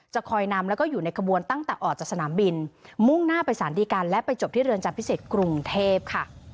คอยนำแล้วก็อยู่ในขบวนตั้งแต่ออกจากสนามบินมุ่งหน้าไปสารดีกันและไปจบที่เรือนจำพิเศษกรุงเทพค่ะ